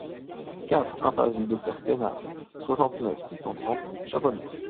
quatre impasse du Docteur Pénard, soixante-neuf, six cent trente, Chaponost